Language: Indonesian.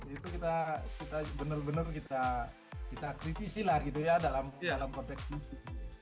itu kita benar benar kita kritisi lah gitu ya dalam konteks ini